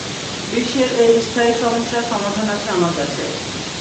বিশ্বের এই স্থায়ী সমস্যার, সমাধান আছে আমার কাছে।